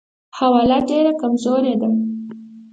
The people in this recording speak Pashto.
حواله ډېره کمزورې ده.